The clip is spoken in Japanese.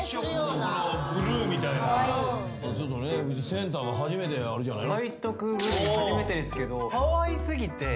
センターが初めてじゃないの？